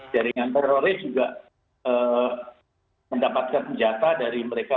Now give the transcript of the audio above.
jaringan teroris juga mendapatkan senjata dari mereka